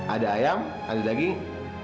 ada ayam ada daging